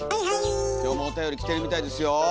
今日もおたより来てるみたいですよ。